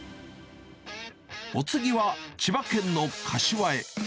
お次は、千葉県の柏へ。